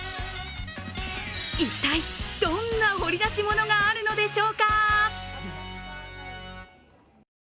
一体どんな掘り出し物があるのでしょうか？